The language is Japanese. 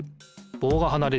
ぼうがはなれる。